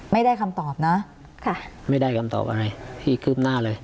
ไม่ได้คำตอบนะค่ะไม่ได้คำตอบอะไรที่คืบหน้าเลย